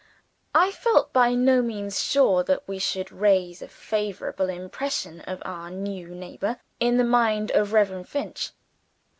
I felt by no means sure that we should raise a favorable impression of our new neighbor in the mind of Reverend Finch.